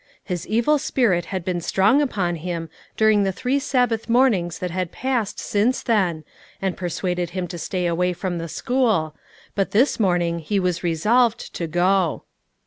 His evil spirit had been strong upon him during the three Sabbath mornings that had passed since then, and persuaded him to stay away from the school, but this morning he was resolved to go.